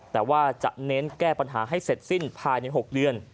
แต่ว่าจะเน้นแก้ปัญหาให้เสร็จสิ้นภายใน๖เดือน